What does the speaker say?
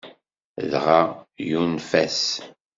Dɣa, yunef-as.